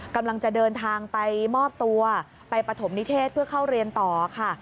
กำลังจะเดินทางไปมอบตัวไปปฐมนิเทศเพื่อเข้าเรียนต่อค่ะ